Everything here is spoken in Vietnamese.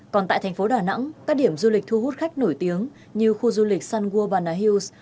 còn tại thành phố đà nẵng các điểm du lịch thu hút khách nổi tiếng như khu du lịch san guobana hills